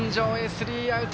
スリーアウト。